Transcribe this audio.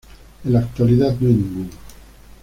En la actualidad no hay ninguno.